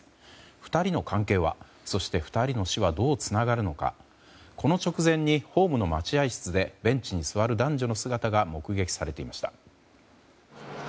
２人の関係は、そして２人の死はどうつながるのかこの直前にホームの待合室でベンチに座る男女の姿が目撃されていました。